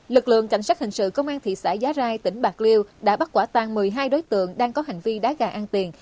lực lượng cảnh sát hình sự công an thị xã giá rai tỉnh bạc liêu đã bắt quả tan một mươi hai đối tượng đang có hành vi đá gà ăn tiền